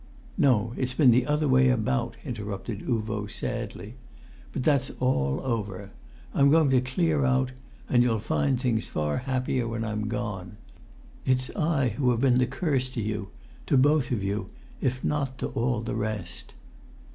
"No; it's been the other way about," interrupted Uvo, sadly. "But that's all over. I'm going to clear out, and you'll find things far happier when I'm gone. It's I who have been the curse to you to both of you if not to all the rest...."